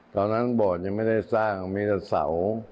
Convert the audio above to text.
ตอนนั้นโบสถ์ยังไม่ได้สร้างมีแต่เสา